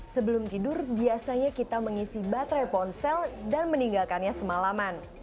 sebelum tidur biasanya kita mengisi baterai ponsel dan meninggalkannya semalaman